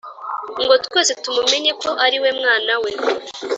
Ngo twese tumumenye ko ariwe mwana we